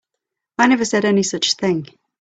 I never said any such thing.